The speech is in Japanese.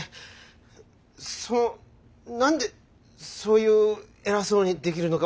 その何でそういう偉そうにできるのか